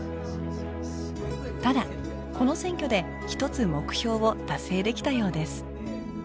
ただこの選挙で一つ目標を達成できたようです